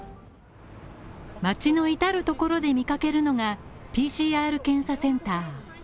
街のいたるところで見かけるのが、ＰＣＲ検査センター。